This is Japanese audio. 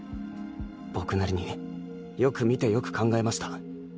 僕なりによく見てよく考えました。